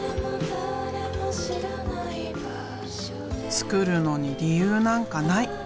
作るのに理由なんかない。